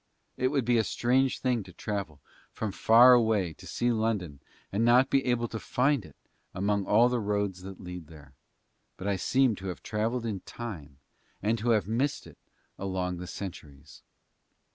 It would be a strange thing to travel from far away to see London and not be able to find it among all the roads that lead there, but I seemed to have travelled in Time and to have missed it among the centuries.